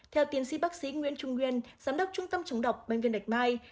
theo tiến sĩ bác sĩ nguyễn trung nguyên giám đốc trung tâm chống độc bệnh viện bạch mai